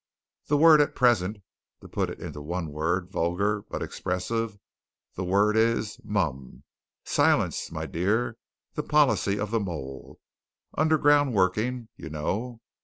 The word at present to put it into one word, vulgar, but expressive the word is 'Mum'! Silence, my dear the policy of the mole underground working, you know.